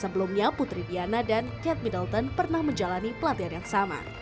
sebelumnya putri diana dan kat middleton pernah menjalani pelatihan yang sama